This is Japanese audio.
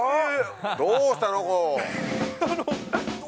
どうしたの？